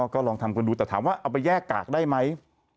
ก็ลองทำกันดูแต่ถามว่าเอาไปแยกกากได้ไหม